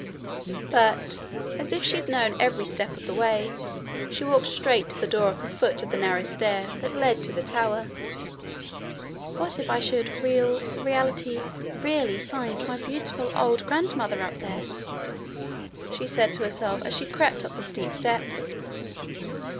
But, as if she had known every step of the way, she walked straight to the door at the foot of the narrow stair that led to the tower. 'What if I should realreality really find my beautiful old grandmother up there!' she said to herself as she crept up the steep steps.